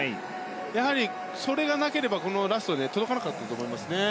やはり、それがなければラスト届かなかったと思いますね。